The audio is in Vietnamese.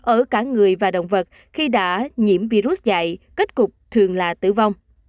ở cả người và động vật khi đã nhiễm virus dạy kết cục thường là tử vong